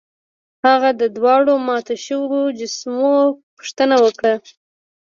هغه د دواړو ماتو شویو مجسمو پوښتنه وکړه.